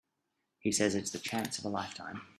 He says it's the chance of a lifetime.